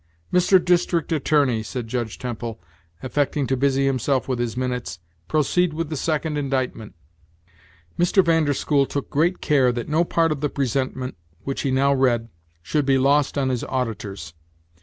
"Mr. District Attorney," said Judge Temple, affecting to busy himself with his minutes, "proceed with the second indictment." Mr. Van der School took great care that no part of the presentment, which he now read, should be lost on his auditors.